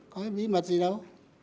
có cái bí mật gì đâu